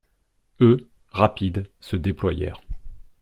Eux, rapides, se déployèrent.